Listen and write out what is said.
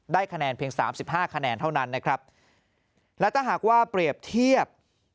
คะแนนเพียงสามสิบห้าคะแนนเท่านั้นนะครับและถ้าหากว่าเปรียบเทียบ